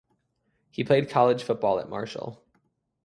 He played college football at Marshall.